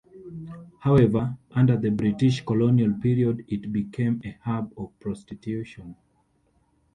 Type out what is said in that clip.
However, under the British colonial period it became a hub of prostitution.